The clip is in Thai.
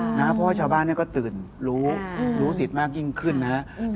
เพราะว่าชาวบ้านก็ตื่นรู้สิทธิ์มากยิ่งขึ้นนะครับ